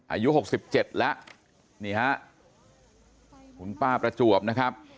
อายุหกสิบเจ็ดแล้วนี่ฮะคุณป้าประจวบนะครับ